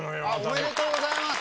おめでとうございます！